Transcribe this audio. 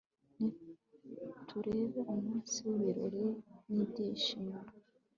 nutubere umunsi w'ibirori n'ibyishimo